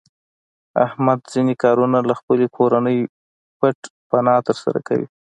احمد ځنې کارونه له خپلې کورنۍ پټ پناه تر سره کوي.